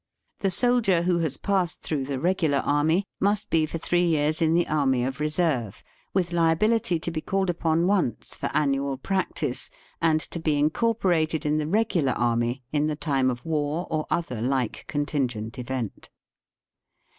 The soldier who has passed through the regular army must be for three years in the army of reserve, with liability to be called upon once for annual practice, and to be incorporated in the regular army in the time of war or other like con tingent event.